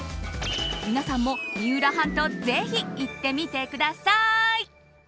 皆さんも三浦半島ぜひ行ってみてください！